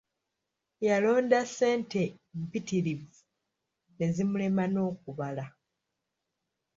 Yalonda ssente mpitirivu ne zimulema n'okubala.